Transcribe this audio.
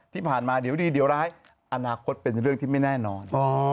ที่ผ่านมาเดี๋ยวดีเดี๋ยวร้ายอนาคตเป็นเรื่องที่ไม่แน่นอน